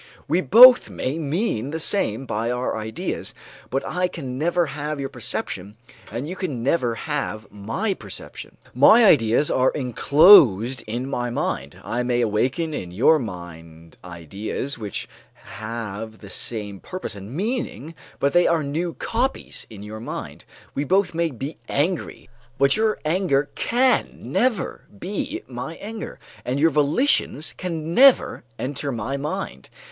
We both may mean the same by our ideas, but I can never have your perception and you can never have my perception. My ideas are enclosed in my mind. I may awaken in your mind ideas which have the same purpose and meaning, but they are new copies in your mind. We both may be angry, but your anger can never be my anger, and your volitions can never enter my mind.